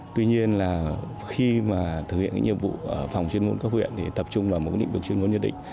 tuy nhiên khi thực hiện nhiệm vụ ở phòng chuyên ngôn các huyện tập trung vào một nhiệm vụ chuyên ngôn nhất định